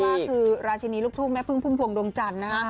ก็ที่สาวที่ว่าราชินิลุกทุ่งแม้พึ่งพ่วงดวงจันทร์นะ